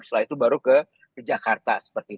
setelah itu baru ke jakarta seperti itu